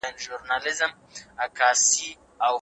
پارلمان قونسلي خدمات نه ځنډوي.